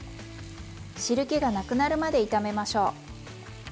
汁けがなくなるまで炒めましょう。